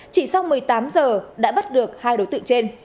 chỉ sau một mươi tám giờ đã bắt được hai đối tượng trên